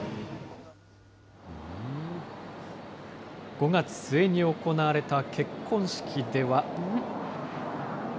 ５月末に行われた結婚式では。